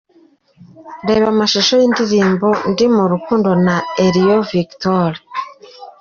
Reba amashusho y’Indirimbo “Ndi Mu Rukundo ya Elion Victory”:.